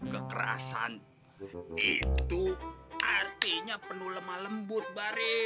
kekerasan itu artinya penuh lemah lembut bare